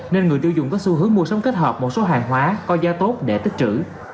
nên người tiêu dùng có xu hướng mua sắm kết hợp một số hàng hóa có giá tốt để tích trữ